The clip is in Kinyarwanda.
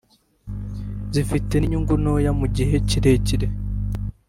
zifite n’inyungu ntoya mu gihe kirekire